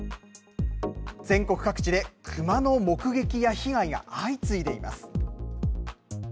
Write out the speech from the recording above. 全国各地でクマの目撃や被害が相次いでいます。